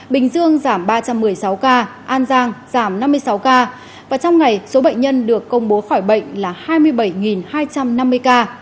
bình dương giảm ba trăm một mươi sáu ca an giang giảm năm mươi sáu ca và trong ngày số bệnh nhân được công bố khỏi bệnh là hai mươi bảy hai trăm năm mươi ca